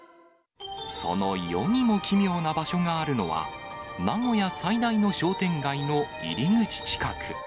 その世にも奇妙な場所があるのは、名古屋最大の商店街の入り口近く。